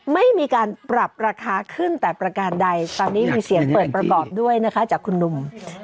ไม่มีการปรับราคาขึ้นแต่ประการใดตอนนี้มีเสียงเปิดประกอบด้วยนะคะจากคุณหนุ่ม